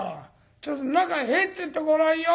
ちょっと中へ入ってってごらんよ。